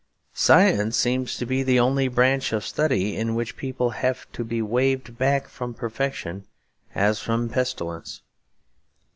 Science seems to be the only branch of study in which people have to be waved back from perfection as from a pestilence.